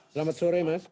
selamat sore mas